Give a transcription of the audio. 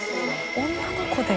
女の子で。